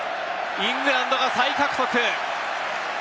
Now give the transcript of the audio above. イングランドが再獲得。